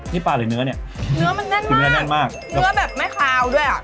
นี่ปลาหรือเนื้อเนี่ยเนื้อมันแน่นมากเนื้อแบบไม่คลาวด้วยอ่ะ